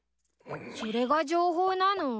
それが情報なの？